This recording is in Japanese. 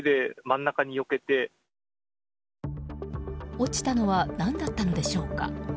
落ちたのは何だったのでしょうか。